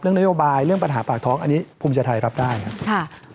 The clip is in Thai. นโยบายเรื่องปัญหาปากท้องอันนี้ภูมิใจไทยรับได้ครับ